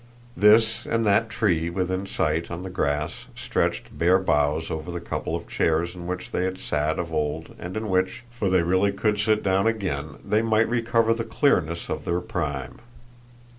This and that tree, within sight, on the grass, stretched bare boughs over the couple of chairs in which they had sat of old and in which for they really could sit down again they might recover the clearness of their prime.